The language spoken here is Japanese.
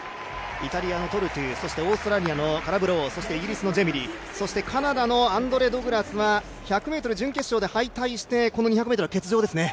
イタリアのトルトゥ、オーストラリアのカラブ・ロー、イギリスのジェミリ、カナダのアンドレ・ド・グラスは１００ｍ、準決勝で敗退してこの２００ｍは欠場ですね。